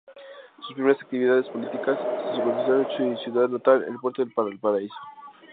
Sus primeras actividades políticas se concentraron en su ciudad natal, el puerto de Valparaíso.